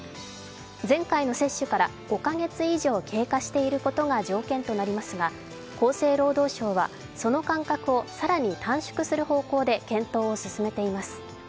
前回の接種から５か月以上経過していることが条件となりますが、厚生労働省はその間隔をさらに短縮する方向で検討を進めています。